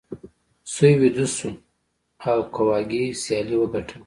سوی ویده شو او کواګې سیالي وګټله.